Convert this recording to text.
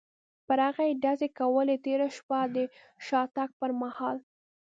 پر هغه به یې ډزې کولې، تېره شپه د شاتګ پر مهال.